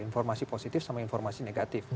informasi positif sama informasi negatif